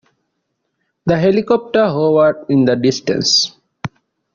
The helicopter hovered in the distance.